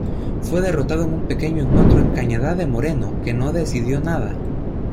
Fue derrotado en un pequeño encuentro en Cañada de Moreno, que no decidió nada.